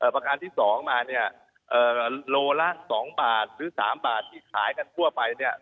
ประการที่๒มาเนี่ยโลละ๒บาทหรือ๓บาทที่ขายกันทั่วไปเนี่ย